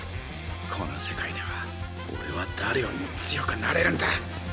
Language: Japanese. この世界ではおれはだれよりも強くなれるんだ。